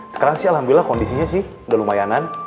sekarang sih alhamdulillah kondisinya sih gak lumayanan